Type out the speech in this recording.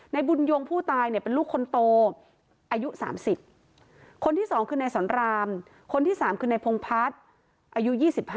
ในบุญยงผู้ตายเนี่ยเป็นลูกคนโตอายุ๓๐คนที่๒คือนายสอนรามคนที่๓คือนายพงพัฒน์อายุ๒๕